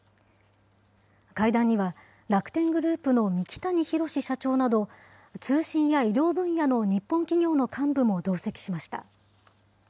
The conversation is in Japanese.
会談には、楽天グループの三木谷浩史社長など、通信や医療分野の日本企業の幹部も同席しました。